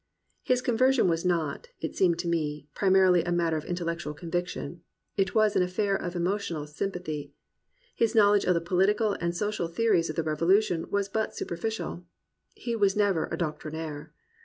His conversion was not, it seems to me, primarily a matter of intellectual conviction. It was an affair of emotional sympathy. His knowledge of the political and social theories of the Revolution was but superficial. He was never a doctrinaire.